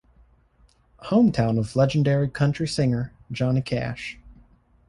Hometown of legendary country singer, Johnny Cash.